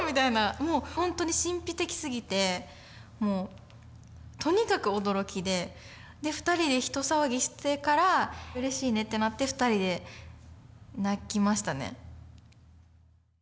もうほんとに神秘的すぎてもうとにかく驚きでで２人で一騒ぎしてからうれしいねってなって２人で泣きましたね。